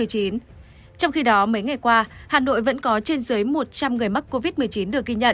trong khi đó mấy ngày qua hà nội vẫn có trên dưới một trăm linh người mắc covid một mươi chín được ghi nhận